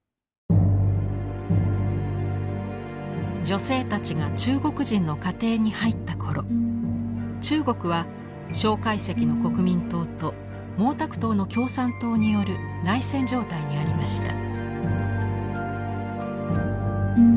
女性たちが中国人の家庭に入った頃中国は蒋介石の国民党と毛沢東の共産党による内戦状態にありました。